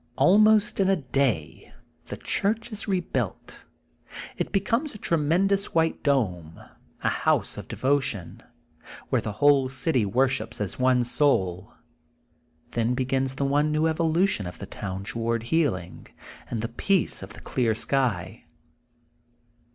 Almost in a day the church is rebuilt. It becomes a tremendous white dome, a house of devotion, where the whole city worships as one soul. Then begins the one new evolu tion of the town toward healing, and the peace of the clear sky.